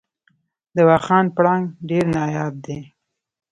د واخان پړانګ ډیر نایاب دی